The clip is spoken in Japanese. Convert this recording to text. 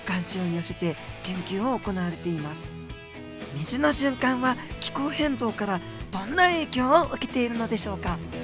水の循環は気候変動からどんな影響を受けているのでしょうか。